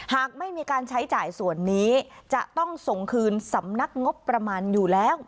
หากไม่มีการใช้จ่ายส่วนนี้จะต้องส่งคืนสำนักงบประมาณอยู่แล้ว